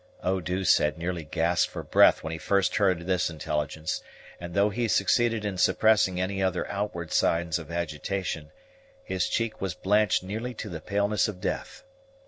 Eau douce had nearly gasped for breath when he first heard this intelligence; and, though he succeeded in suppressing any other outward signs of agitation, his cheek was blanched nearly to the paleness of death.